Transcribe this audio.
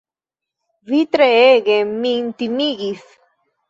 Vi treege min timigis!